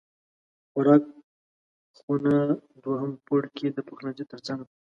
خوراک خونه دوهم پوړ کې د پخلنځی تر څنګ ده